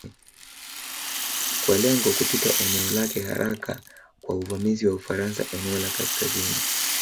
Kwa lengo kupita eneo lake haraka kwa uvamizi wa Ufaransa eneo la Kaskazini